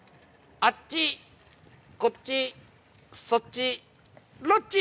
◆あっちこっちそっちロッチー！